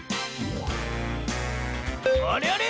あれあれ？